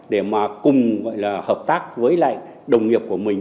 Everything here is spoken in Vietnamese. để mà cùng gọi là hợp tác với lại đồng nghiệp của mình